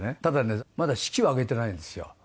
ただねまだ式を挙げてないんですよ。